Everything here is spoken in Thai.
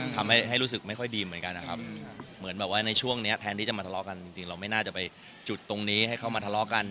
ทำให้ให้รู้สึกไม่ค่อยดีเหมือนกันนะครับเหมือนแบบว่าในช่วงนี้แทนที่จะมาทะเลาะกันจริงเราไม่น่าจะไปจุดตรงนี้ให้เข้ามาทะเลาะกัน